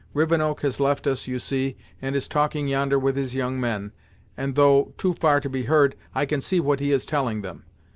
Rivenoak has left us, you see, and is talking yonder with his young men, and though too far to be heard, I can see what he is telling them.